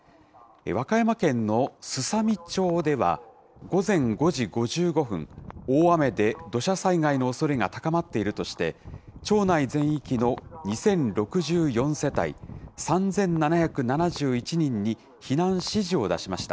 和歌山県のすさみ町では、午前５時５５分、大雨で土砂災害のおそれが高まっているとして、町内全域の２０６４世帯３７７１人に避難指示を出しました。